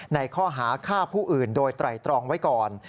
ในข้อหาฆ่าผู้อื่นโดยไตรตรองไว้ก่อน